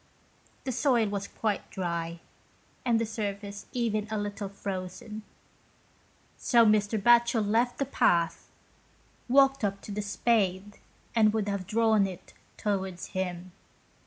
The soil was quite dry, and the surface even a little frozen, so Mr. Batchel left the path, walked up to the spade, and would have drawn it towards him.